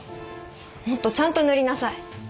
もっとちゃんと塗りなさい。